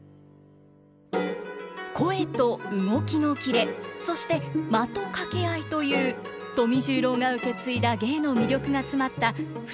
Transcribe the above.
「声と動きのキレ」そして「間と掛け合い」という富十郎が受け継いだ芸の魅力が詰まった２つの演目をご覧ください。